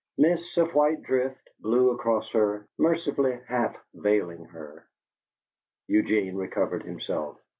Mists of white drift blew across her, mercifully half veiling her. Eugene recovered himself.